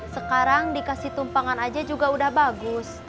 sekarang dikasih tumpangan aja juga udah bagus